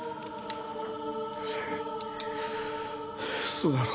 嘘だろ？